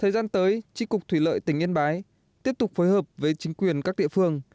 thời gian tới tri cục thủy lợi tỉnh yên bái tiếp tục phối hợp với chính quyền các địa phương